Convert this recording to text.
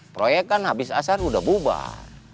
proyek kan habis asar udah bubar